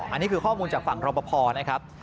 อันนี้คือข้อมูลจากฝั่งรอปภนะครับ